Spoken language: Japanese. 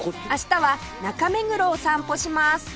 明日は中目黒を散歩します